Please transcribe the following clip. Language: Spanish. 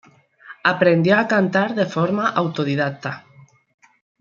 Aprendió a cantar de forma autodidacta.